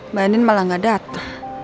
banyin malah gak dateng